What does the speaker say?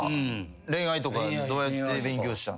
恋愛とかどうやって勉強したんすか？